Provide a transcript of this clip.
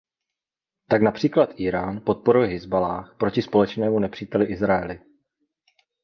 Tak například Írán podporuje Hizballáh proti společnému nepříteli Izraeli.